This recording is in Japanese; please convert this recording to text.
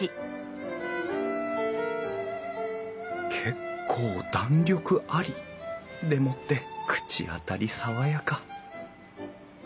結構弾力あり。でもって口当たり爽やか！